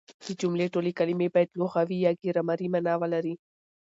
د جملې ټولي کلیمې باید لغوي يا ګرامري مانا ولري.